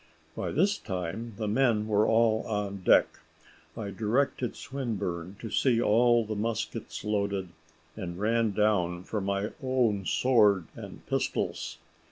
By this time the men were all on deck. I directed Swinburne to see all the muskets loaded, and ran down for my own sword and pistols.